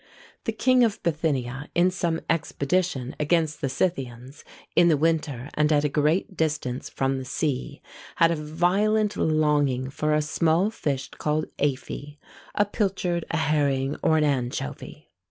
The king of Bithynia, in some expedition against the Scythians, in the winter, and at a great distance from the sea, had a violent longing for a small fish called aphy a pilchard, a herring, or an anchovy.